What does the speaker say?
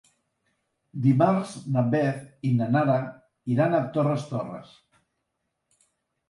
Dimarts na Beth i na Nara iran a Torres Torres.